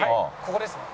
ここですね。